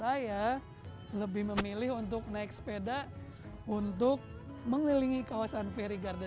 nah kalau saya lebih memilih untuk naik sepeda untuk mengelilingi kawasan fairy garden